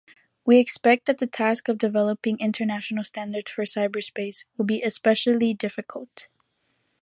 We expect that the task of developing international standards for cyberspace will be especially difficult.